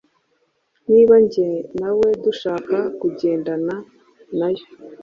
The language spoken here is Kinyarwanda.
niba jye na we dushaka kugendana na Yo,